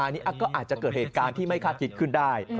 อันนี้ก็อาจจะเกิดเหตุการณ์ที่ไม่คาดคิดขึ้นได้